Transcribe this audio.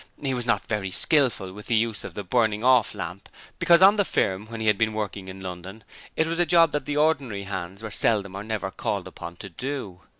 He was not very skilful in the use of the burning off lamp, because on the firm when he had been working in London it was a job that the ordinary hands were seldom or never called upon to do.